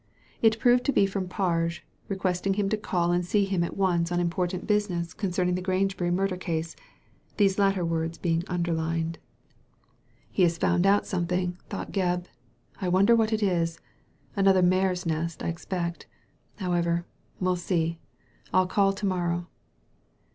It proved to be from Parge, requesting him to call and see him at once on important business concerning the Digitized by Google 252 THE LADY FROM NOWHERE Grangebury murder case, these latter words being underlined. ''He has found out something,*' thought Gebb. *' I wonder what it is ? another mare's nest, I expect. However, we'll see. I'll call to morrow."